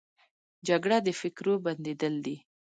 جګړه د فکرو بندېدل دي